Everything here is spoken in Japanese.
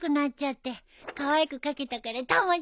かわいく描けたからたまちゃんに。